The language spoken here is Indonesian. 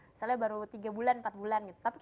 misalnya baru tiga bulan empat bulan gitu